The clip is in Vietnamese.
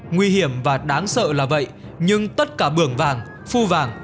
nguy hiểm và đáng sợ là vậy nhưng tất cả bưởng vàng phu vàng